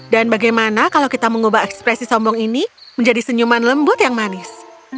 bagaimana kalau kita mengubah ekspresi sombong ini menjadi senyuman lembut yang manis